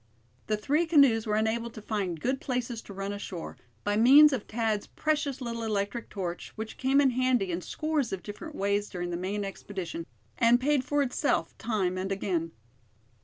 The three canoes were enabled to find good places to run ashore, by means of Thad's precious little electric torch, which came in handy in scores of different ways during the Maine expedition, and paid for itself time and again.